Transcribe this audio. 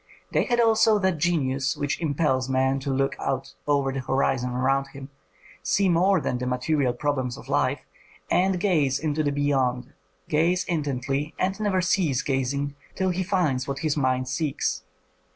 They had also that genius which impels man to look out over the horizon around him, see more than the material problems of life, and gaze into the beyond, gaze intently and never cease gazing till he finds what his mind seeks.